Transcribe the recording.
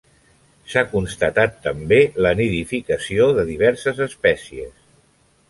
S'ha constatat també la nidificació de diverses espècies.